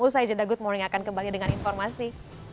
usah aja dah good morning akan kembali dengan informasi